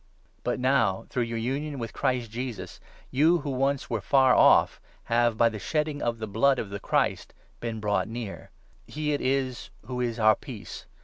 But now, through your union with 13 Christ Jesus, you who once were ' far off' have, by the shedding of the blood of the Christ, been brought ' near.' He it 14 is who is our Peace.